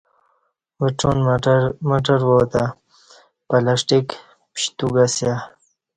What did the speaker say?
وڄان مٹر واتہ پلسٹیک پشتوک اسیہ